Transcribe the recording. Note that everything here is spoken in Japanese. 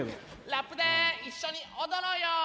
「ラップで一緒に踊ろうよ！」